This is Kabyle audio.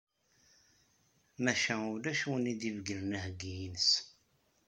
Maca ulac win i d-ibeyynen aheyyi-ines.